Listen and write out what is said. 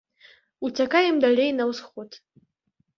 Уцякаем далей на ўсход.